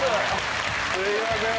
すいません。